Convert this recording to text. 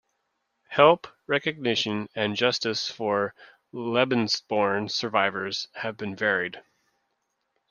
Help, recognition, and justice for "Lebensborn" survivors have been varied.